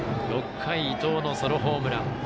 ６回、伊藤のソロホームラン。